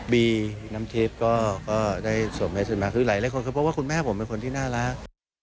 บีน้ำเทปก็ได้ส่งให้สำหรับหลายคนเพราะว่าคุณแม่ผมเป็นคนที่น่ารัก